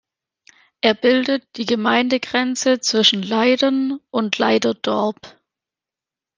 Er bildet die Gemeindegrenze zwischen Leiden und Leiderdorp.